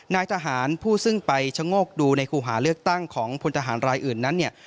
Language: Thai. นายทหารผู้ซึ่งไปชะโงกดูในคู่หาเลือกตั้งของพลทหารรายอื่นนั้นเนี่ย